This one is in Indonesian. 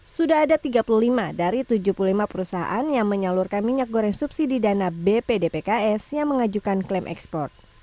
sudah ada tiga puluh lima dari tujuh puluh lima perusahaan yang menyalurkan minyak goreng subsidi dana bpdpks yang mengajukan klaim ekspor